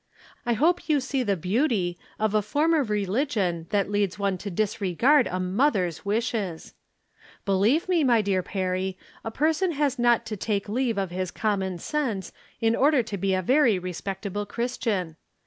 I hope you see the beauty of a form of religion that leads one to disregard a mother's Avishes ! Believe me, my dear Perry, a person has not to take leave of Hs common sense in order to be a very respectable Christian.